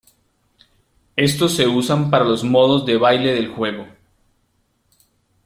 Estos se usan para los modos de baile del juego.